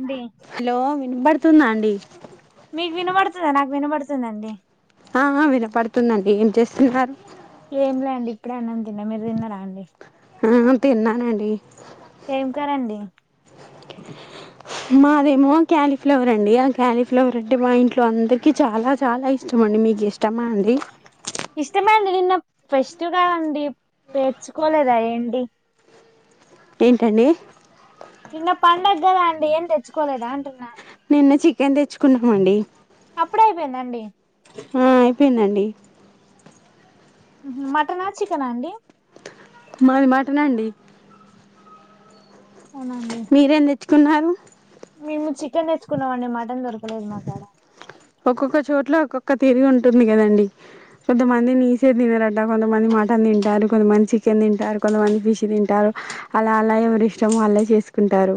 అండి హలో వినపడుతుందా అండి వినబడుతుందిా నాకు వినబడుతుందండి ఆ ఆ వినపడుతుందండి ఏం చేస్తున్నారు ఏం లే అండి ఇప్పుడే అన్నం తిన్నా మీరు తిన్నరాా అండి ఆ తిన్నానండి ఏం కర్రి అండి మాదేమో క్యాలీఫ్లవర్ అండి ఆ క్యాలీఫ్లవర్ అంటే మా ఇంట్లో అందరికి చాలా చాలా ఇష్టమండి మీకు ఇష్టమా అండి ఇష్టమండి నిన్న ఫెస్ట్ కాదండి పేర్చుకోలేదా ఏంటి ఏంటండి నిన్న పడుగ కదా అండి ఏం తెచ్చుకోలేదా అంటున్నా న్న చికెన్ తెచ్చుకున్నామండి అప్పుడే అయిపోయింద అండి ఐపోయిందండి మటనా చికెనా అండి మాది మట్టన్ అండి అవునా అండి మీరేం తెచ్చుకున్నారు మేము చికె చికెన్ తెచూకున్నవాడి మటన్ దొరకలేదు మాకాడ ఇట్లా ఒక్కొక్క తిరుగ ఉంటుంది కదండి కొంతమంది నీసే తినారట కొంతమంది మటన్ తింటారు కొంతమంది చికెన్ తింటారు కొంతమంది ఫిష్ తింటారు అలా అలా ఎవరి ఇష్టం వాళ్ళే చేసుకుంటారు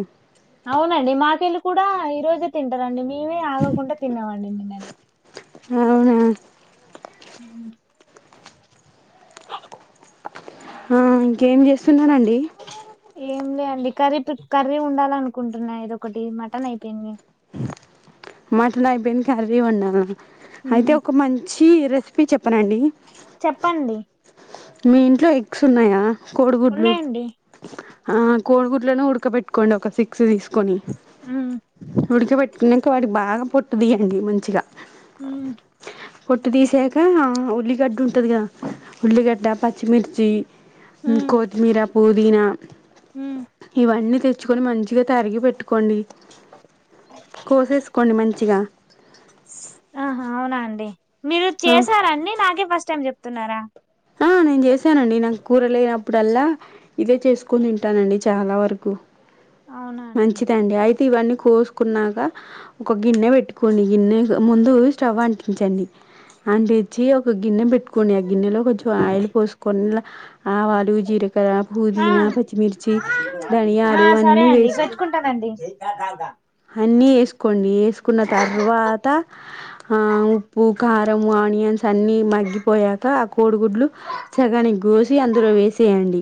అవునండి మాకెళ్ళి ళ కూడా ఈ రోజే తింటారండి మేమే ఆగకుండా తినమండి నిిన్ననే అవునా అ ఆ ఇంక ఏం చేస్తున్నరండి ఏం లే అండి కర్రీ కర్రీ ఉండాల అనుకుంటున్నా ఇదొ ఒకటి మటన్ అయిపోయింది మాటన్ అయిపోయింది క్యాలీ ఇవాల్నా ఉమ్ అయితే ఒక మంచి ఈ రెసిపీ చెప్ చెప్పండి మీ ఇంట్లో ఎగ్స్ ఉన్నాయా కోడుగుడ్లు ఉన్నాయండి ఆ కోడుగుట్లను ఉడకబెటుకోండి ఒక సిక్స్ తీసు కొని ఉమ్ ఉడిక పెట్టుకున్నాక వాడికి బాగా పొట్టుదియండి మంచిగా హ పొట్టు తీసాక ఉల్లిగడ్డ ఉంటది కదా ఉల్లిగడ్డ పచ్చిమిర్చి ఉమ్ కొతిమీర పుది వినా ఉమ్ ఇవని తె తెచ్చుకొని మంచిగా తరిగి పెట్టుకోండి కోసేసుకోండి మంచిగా ఆహా అవునా అండి మీరు ఆ, చేశారండి నాకే ఫస్ట్ ఫస్ట్ టైమ్ చెప్తున్నారా ఆ నేను చేసానండి నాకు కూర లేనప్పుడల్లా ఇదే చేసుకుొని తింటానండి చాలా వరకు అవునా అండి మంచిదండి అయితే ఇవన్నీ కోసుకున్నాక ఒక గిన్నె పెట్టుకోని గిన్నె ముందు స్టవ్ అంటించండి. అంటించి ఒక గిన్నె పెట్టుకోని ఆ గిన్నె ఆయిల్ పోసుకొన్ల ఆవాలు జీరకర్ర ఆ పుదీనా పచ్చిమిర్చి ఆ ధనియాలు సరే అన్నీ అండి వేసుకు పెట్టుకుంటానండి అన్నీ వేసుకోండి వేసుకున్న తర్వాత ఆ ఉప్పు కారం ఆనియన్స్ అన్ని మగ్గిపోయాక ఆ కోడిగుడ్లు సగానిక్ కోసి అందులో వేసేయండి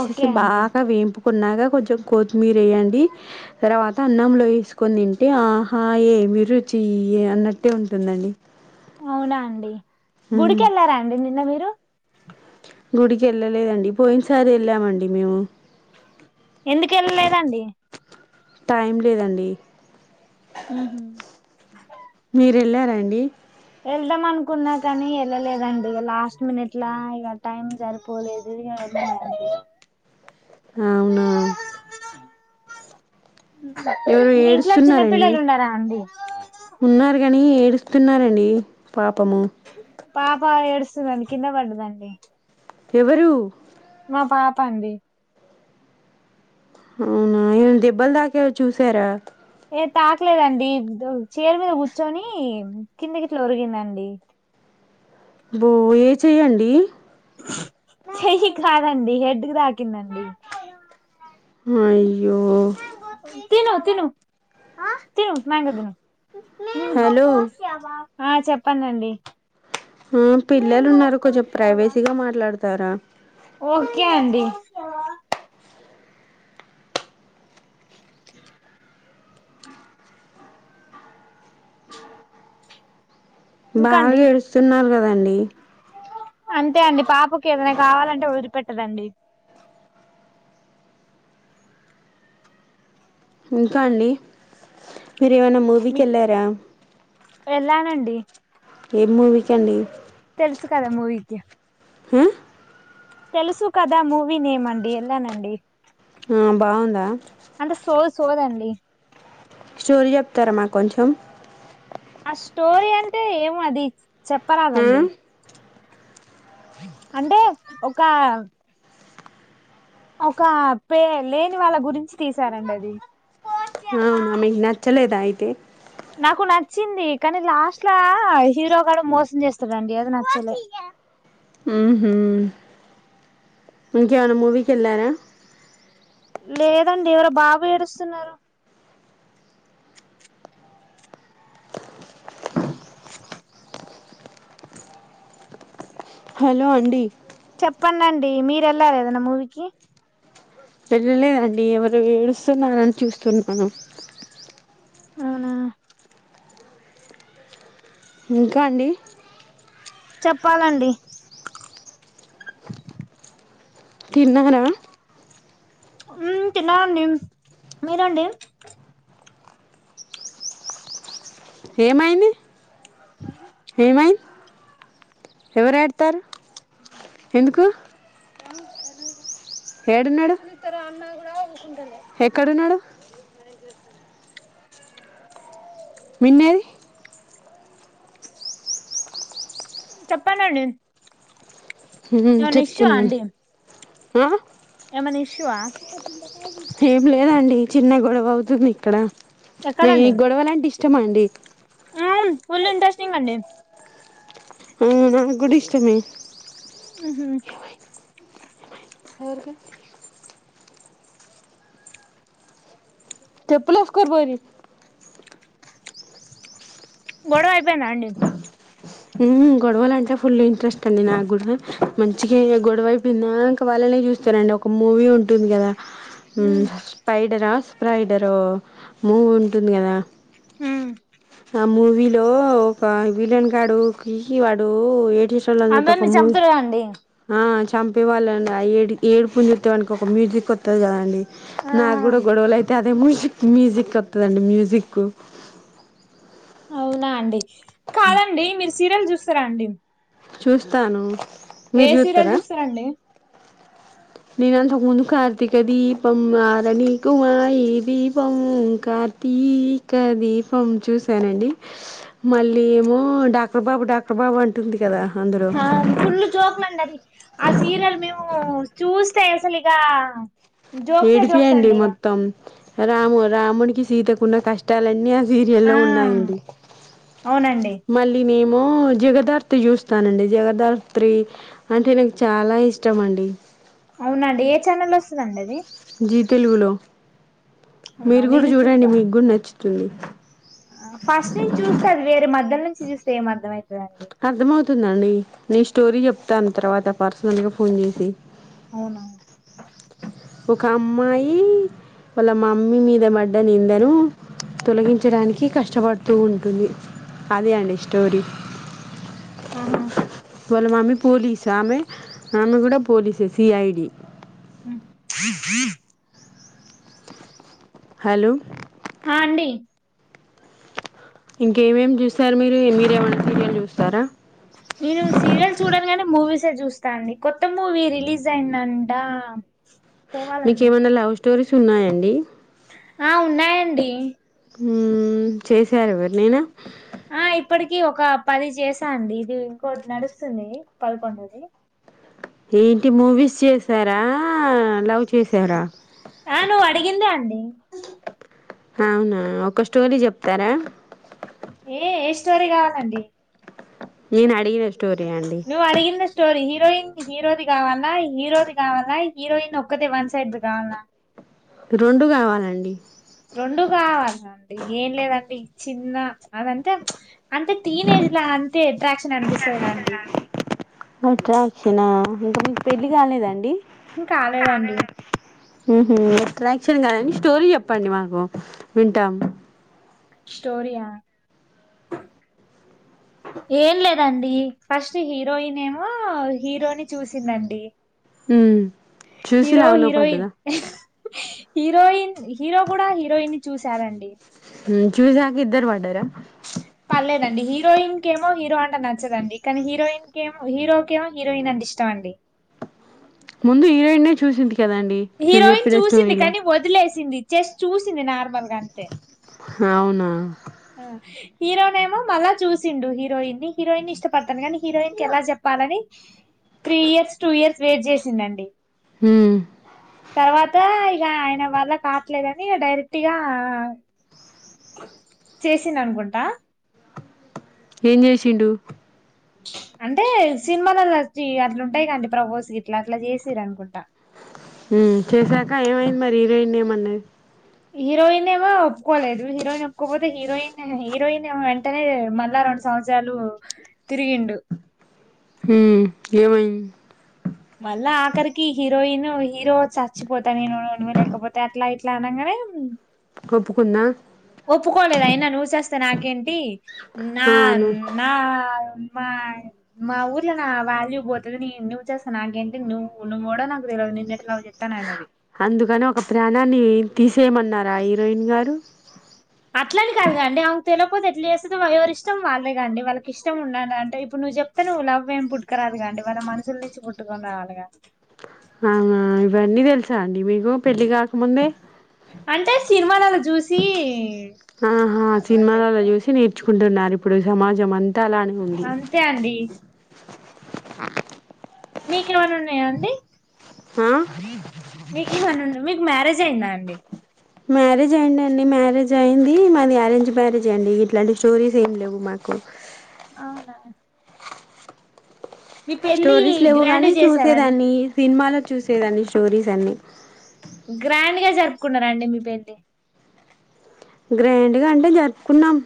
ఓకే అండి బాగా వేంపుకున్నాక కొంచెం కొత్తిమీర వే్యండి తర్వాత అన్నంలో వేసుకొని తింటే ఆహా యేమి రుచి అన్నట్టే ఉంటుందండి అవునా అండి గుడికి వెళ్లారా అండి నిన్న మీరు రు గుడికి వెళ్ళలేదండి పోయిన సారి వెళ్ళామండి మేము ఎందుకు వెళ్ళలేదండి టైం లేదండి ఉహు మీరు ఎళార అండి వెళ్దాం అనుకున్నా కానీ వెళ్ళలేదండి ఇ లాస్ట్ మినిట్లా ఇక టైం సరిపోలేదు ఇక వెళ్లలేదు అవున ఎవరో మీ ఇంట్లో ఏడుస్తున్నారండి చిన్నపిల్లలు ఉండారా అండి కాని ఏడుస్తున్నారండి పాపము పాప ఏడుస్తుందండి కింద పడ్డదండి ఎవరు అ పాప అండి అవునా ఏ దెబ్బల దాకాే చూసార ఏ తాక్లేదండి చీర మీద కూర్చొని కిందకిట్ల ఒరిగిందండి బో ఏ చెయ్యండి చెయ్యి కాదండి హెడ్ కి తాకిందండి హాయి ఈ యో తిను తిను తిను మ్యాంగో తిను మ్యాంగో హలో కోసి ఇవ్వవా ఆ చెప్పండండి ఆ పిల్లలు ఉన్నారు కొంచెం ప్రైవేసీగ మాట్లాడతార ఓకే అండి ఇంకా బాగా అండి ఏడుస్తున్నారు కదండి అంతే అండి పాపకి ఏదైనా కావాలంటే వదిలిపెట్ట రండి ఇంక అండి మీరు ఏమైనా మూవీకి మీకు యెళ్ళార వెళ్ళానండి మూవిక్ కండి కద మూవీకి హుమ్ తెలుసు కదా మూవి నేమ్ అండి ఎల్యానండి ఉమ్ బాగుంద అంటె సో సోదండి స్టోరి చెప్తారా మాకొంచం ఆ స్టోరీ అంటే ఏమో అది ఆ? చెప్పరాదండి అంటే ఒక ఒక పే లేని వాళ్ళ గురించి తీసారండి అది అవును మీ క్ నచ్చలేదయతే టి నాకు నచ్చింది కనీ లాస్ట్లా హీరోగా మోసం చేస్తాడండి అది నచ్చలేదు ఊహు ఇంకేమైన మూవీకి ఎలార లేదండి ఎవరు బాబు ఏడుస్తున్నారు హలో అండి చెప్పండండి మీరెళ్లార ఏదైన్నా మూవీకి వెళ్ళ లేదండి ఎరు ఏడుస్తున్నా చూ కిన్ అన అవున ఇంక అండి చెప్పాలండి తిన్న గన ఉమ్ తిన్నామండి మీరండి ఏమైంది ఏమైంది ఎవరు ఏడుత్తరు ఎందుకు ఏడున్నాడు ఎక్కడున్నాడు మిన్నేది చెప్పానండి ఉమ్ చెప్తున్నాను ఉమ్ ఎమన్న ఇష్యూవా ఏం లేదండి చిన్న గొడవ అవుతుంది ఇక్కడ మీ ఎక్కడండి గొడవలు అంటే ఇష్టమా అండి మ్మ్ ఫుల్ ఇంట్రెస్టింగ్ అండి ఉమ్ నాక్గూడ ఇష్టమే ఉమ్ హూ ఎవ్వరికీ చెప్పులు ఏసుకొని బోరి గొడవ అయిపోయిందా అండి ఉమ్ గొడవలు అంటే ఫుల్ ఇంట్రెస్ట్ అండి నాక్గూడ మంచిగా గొడవ అయిపోయిందాంక వాళ్ళనే చూస్తానండి ఒక మూవీ ఉంటుంది కదా ఉమ్ స్పైడరా స్పైడర్ మూవీ ఉంటుంది కదా ఉమ్ ఆ మూవీలో ఒక విలన్ కాడు వాడు ఏడి యాక్చ్వల్ గా అయితే అది అందరినీ ఒక మూవీ చంపుతారుగా అండి ఆ చంపేవాళ్ళని ఆ ఏడి ఏడుపుని జుస్తే వానికి ఒక మ్యూజిక్ వత్తది కదాండి ఆ నాక్గూడ గొడవలు అయితే అదే మ్యూజిక్ మ్యూజిక్ వత్తది అండి మ్యూజిక్ అవునా అండి కాదు అండి మీ సీరియలు చూస్తారా అండి చూస్తాను ఏ మీరు సీరియల్ చూత్తరా చూస్తారండి నేను అంతకుముందు కార్తీక దీపం ఆరనీకుమా యి దీపం కార్తీక దీపం చూశానండి మళ్ళీ ఏమో డాక్టర్ బాబు డాక్టర్ బాబు అంటుంది కదా అందులో ఆ ఫుల్ జోక్లు అండి అది ఆ సీరియల్ మేము చూస్తే అసలు ఇగ ఏడుపే అండి మొత్తం రాము రాముడికి సీతకు ఉన్న కష్టాలు అన్ని ఆ సీరియల్లో ఉన్నాయండి అవునండి మళ్ళీ నే మో జగదాత్రి చూస్తానండి జగదాత్రి అంటే నాకు చాలా ఇష్టం అండి అవునా అండి ఏ ఛానల్లో వస్తదండి అది జీ తెలుగులో అవునా మీరు కూడా నేను చూడ చూడండి మీకు కూడా నచ్చు చూడు ఫస్ట్ నుంచి చూస్తే అది వేరే మధ్యలో నుంచి స్ చూస్తే ఏం అర్థం అయి అర్థం అవుతూ తుందండి నేను స్టోరీ చెప్తాను తర్వాత పర్సనల్గా ఫోన్ చేసి అవునా ఒక అమ్మాయి వాళ్ళ మమ్మీ మీద పడ్డ నిందను తొలగించడానికి కష్టపడుతూ ఉంటుంది అదే అండి స్టోరీ ఆహా వాళ్ళ మమ్మీ పోలీసు ఆమె మామె కూడా పోలీసు సిఐడి [unintelligible] హలో హ అండి ఇంకేమేమి చూస్తారు మీరు మీరేం అన్న సీరియల్ చూస్తారా నేను సీరియల్స్ చూడాను కానీ మూవీస్ ే చూస్తాండి కొత్త మూవీ రిలీజ్ అయిందంట మీకు పోవాలండి ఏమన్నా లవ్ స్టోరి సున్నాయంండి ఆ ఉన్నాయంండి చేసారు ఎవరు నేనా ఆ ఇప్పటికి ఒక పది చేసా అండి ఇది ఇంకోటి నడుస్తుంది పదకొండది ఏంటి మూవీస్ చేసారా లవ్ చేసారా ఆ నువ్వు అడిగిందా అండి అవునా ఒక స్టోరీ చెప్తారా ఏ ఏ స్టోరీ కావాలండి నేను అడిగిన స్టో నువ్ అడిగింది స్టోరి మెయిన్ హీరోది కావాల్న హీరోది కావాల్న హీరోయిన్ ఒక్కతే వన్ సైడ్ది కావాల్నా రెండూ కావాలండి రెండు కావాలిండి ఏం లేదండి చిన్న అదంటే అంటే టీనేజ్ అంతే అట్రాక్షన్ అనిపిస్తాది కదా అండి అట్రాక్షనా ఇంకా మీకు పెళ్ళి కాలేదండి ఇంకాలేదండి ఎట్రాక్షన్ గానిని స్టోరీ చెప్పండి మాకు వింటాం స్టోరియా ఏం లేదండి ఫస్ట్ హీరోయిన్ ఏమో హీరోని చూసిందండి ఉ చూసి హీరో లవ్ లో హీరోయిన్ పడ్డదా హీరోయిన్ హీరో కూడా హీరోయిన్ చూశారంండి చూస్యకా ఇద్దరు పడ్డారా ఏమో హీరో అంట నచ్చదండి కానీ హీరోయిన్ క ఏమో హీరోకే ఏమో హీరోయిన్ అంటే ఇష్టం అండి ముందు హీరోయిన్ ఏ చూసింది కదండి మీరు హీరోయిన్ చెప్పిన చూసింది స్టోరీలా కానీ వదిలేసి ంది జస్ట్ చూసింది నార్మల్గా అంతే అవునా ఆహ్ హీరోనే ఏమో మళ్ళా చూసిండు హీరోయిన్ని హీరోయిన్ ఇష్టపడతాను కానీ హీరోయిన్ కి ఎలా చెప్పాలని three years two years wait చేసిండండి. ఉమ్ తర్వాత ఇక ఆయన వల్ల కాట్లేదని డైరెక్ట్గా చేసింది అనుకుంటా. ఏం చేసిండు అంటే సినిమాలలో వచ్చి అట్లుంటాయి గాండి ప్రవోస్ అట్లా ఇట్లా చేసీరు అనుకుంటా హ్మ్ చేశాక ఏమైంది మరి హీరోయిన్ ఏమంది హీరోయిన్ ఏమో ఒప్పుకోలేదు హీరోయిన్ ఒప్పుకోపోత్ హీరోయిన్ హీరోయిన్ వెంటనే మళ్ళా రెండు సంవత్సరాలు తిరిగిండు హ్మ్ ఏమై మళ్ళా ఆఖరికి హీరోయిను హీరో చచ్చిపోతా నేను నువు లేకపోతే అట్లా ఇట్లా అనంగానే ఒప్పుకుందా ఒప్పుకోలేదు అయినా నువ్వు చస్తే నాకేం టి నా ఆ, నువ్వు నా మా మా ఊర్లో నా వాల్యూ పోతది నీ నువ్వు చస్తే నాకేంటి నువ్వు నువ్వు కూడా నాకు తెల్వదు నిన్ను ఎట్లా చేత్తాను అన్నది అందుకని ఒక ప్రాణాన్ని తీసేయమన్నారా హీరోయిన్ గారు అట్లానే కాదుగాండి ఆమె కు తెలపోతే ఎట్లా చేస్తదో ఎవరిష్టం వాళ్ళేగాఅండి వాళ్ళకి ఇష్టం ఉండాలి అంటే ఇప్పుడు నువ్వు చెప్తునవ్ లవ్ ఏం పుట్టుక రాదు గాండి వాళ్ళ మనసుల నుంచి పుట్టుకని రావాలిగా ఆ ఇవన్నీ తెలుసా అండి మీ అంటే సినిమానా చూసి ఆహా సినిమాలలో అలవాటైతది చూసి నేర్చుకుంటున్నారు ఇప్పుడు సమాజం అంతా అలానే ఉంది. అంతే అండి మీకేమైనా ఉన్నాయా అండి ఆ మీకేమైనా మీకు మ్యారేజ్ అయిందా అండి మ్యారేజ్ అయింది అండి మ్యారేజ్ అయింది మాది అరేంజ్ మ్యారేజే అండి ఇట్లాంటి స్టోరీస్ ఏమి లేవు మాకు. అవునా. మీ పెళ్ళి స్టోరీస్ గ్రాండ్ లేవుగాని చేసారండి చూసేదాన్ని సినిమాలకు చూసేదాన్ని స్టోరీస్ అన్నీ గ్రాండ్ గా జరుపుకున్నారా అండి మీ పెళ్లి గ్రాండ్గా అంటే జరుపుకున్నాం.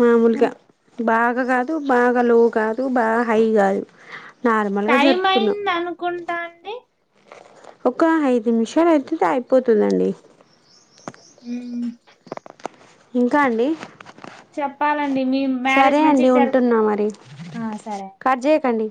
మామూలుగా బాగా కాదు బాగా లో కాదు టూ బా హై కాదు నార్మల్గా టైం జరుపుకున్నాం అయింది అనుకుంటా అండి ఒక ఐదు నిమిషాలు అయితుది అయిపోతుందండి. హ్మ్ ఇంకా అండి చెప్పాలండి మీ సరే మ్యారేజ్ అండి మంచిగ జరుపు ఉంటున్నా మరి ఆ సరే అండి కట్ చేయకండి